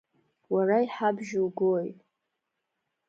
Уара иҳабжьоугои?